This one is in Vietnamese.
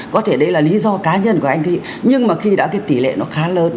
có thể đấy là lý do cá nhân của anh thị nhưng mà khi đã cái tỷ lệ nó khá lớn